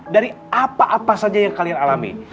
dari apa apa saja yang kalian alami